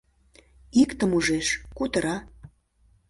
Иктым ужеш — кутыра